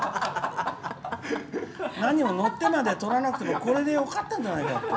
何も乗ってまで撮らなくてもよかったんじゃないかと。